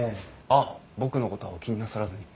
あっ僕のことはお気になさらずに。